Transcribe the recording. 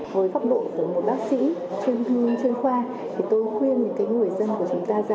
với pháp độ của một bác sĩ chuyên thương chuyên khoa thì tôi khuyên những người dân của chúng ta